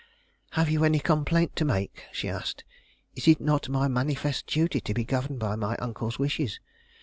"Have you any complaint to make?" she asked. "Is it not my manifest duty to be governed by my uncle's wishes?